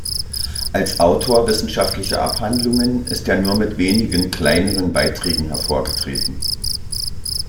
Als Autor wissenschaftlicher Abhandlungen ist er nur mit wenigen kleineren Beiträgen hervorgetreten.